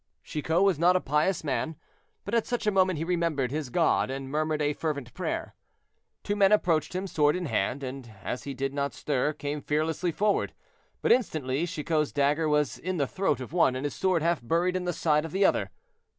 Chicot was not a pious man, but at such a moment he remembered his God and murmured a fervent prayer. Two men approached him sword in hand, and as he did not stir, came fearlessly forward; but instantly Chicot's dagger was in the throat of one, and his sword half buried in the side of the other.